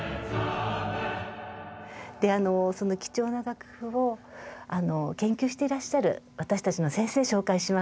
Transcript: であのその貴重な楽譜を研究していらっしゃる私たちの先生紹介します。